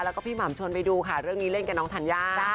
แล้วก็พี่หม่ำชวนไปดูค่ะเรื่องนี้เล่นกับน้องธัญญา